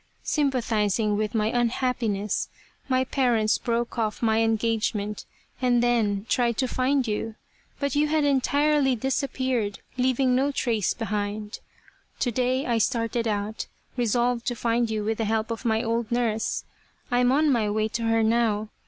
Sympathizing with my unhappiness, my parents 1 06 The Reincarnation of Tama broke off my engagement and then tried to find you. But you had entirely disappeared leaving no trace behind. To day I started out, resolved to find you with the help of my old nurse. I am on my way to her now.